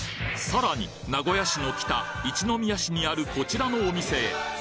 さらに、名古屋市の北、一宮市にあるこちらのお店へ。